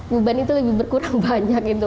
beban itu lebih berkurang banyak gitu